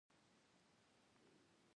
زېرمې ساتنه غواړي.